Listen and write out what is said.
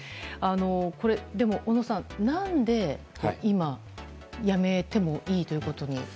でも小野さん、何で今やめてもいいということに？